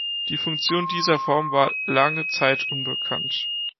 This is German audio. Die Funktion dieser Form war lange Zeit unbekannt.